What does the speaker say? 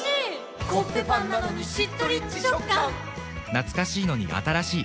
懐かしいのに新しい。